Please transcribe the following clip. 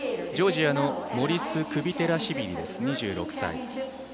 ジョージアのモリス・クビテラシビリ、２６歳。